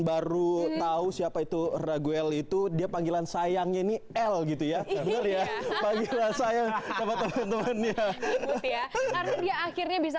baru tahu siapa itu raguel itu dia panggilan sayangnya ini l gitu ya ya akhirnya bisa